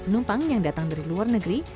penumpang yang datang dari luar negeri